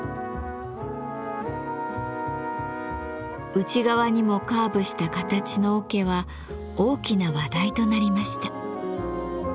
内側にもカーブした形の桶は大きな話題となりました。